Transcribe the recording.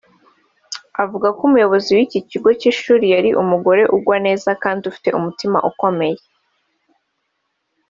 Avuga ko Umuyobozi w’iki kigo cy’ishuri yari umugore ugwa neza kandi ufite umutima ukomeye